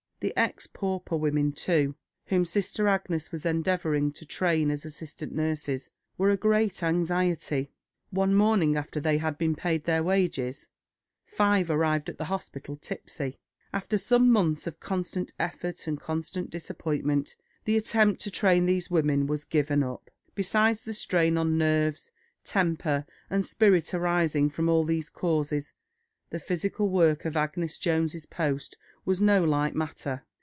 The ex pauper women, too, whom Sister Agnes was endeavouring to train as assistant nurses, were a great anxiety. One morning, after they had been paid their wages, five arrived at the hospital tipsy; after some months of constant effort and constant disappointment, the attempt to train these women was given up. Besides the strain on nerves, temper, and spirit arising from all these causes, the physical work of Agnes Jones's post was no light matter.